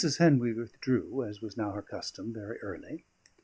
Henry withdrew, as was now her custom, very early.